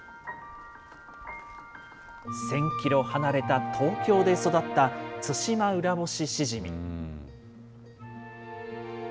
１０００キロ離れた東京で育ったツシマウラボシシジミ。